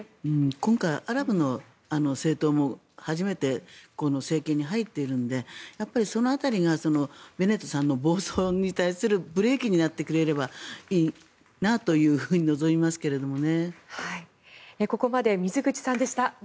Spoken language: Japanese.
今回、アラブの政党も初めて政権に入っているのでやっぱりその辺りがベネットさんの暴走に対するブレーキになってくれればいいなと望みますけどね。